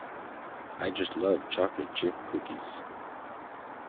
I just love chocolate chip cookies.